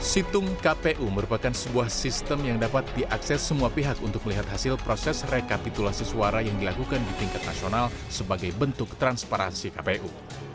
situng kpu merupakan sebuah sistem yang dapat diakses semua pihak untuk melihat hasil proses rekapitulasi suara yang dilakukan di tingkat nasional sebagai bentuk transparansi kpu